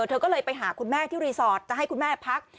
เธอก็เลยไปหาคุณแม่ที่รีสอร์ทจะให้คุณแม่พัก